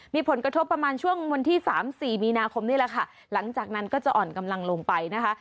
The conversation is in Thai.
มีผลกระทบประมาณช่วงวันที่สามสี่มีนาคมนี่แหละค่ะหลังจากนั้นก็จะอ่อนกำลังลงไปนะคะ